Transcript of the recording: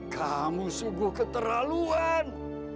kamu sungguh keterlaluan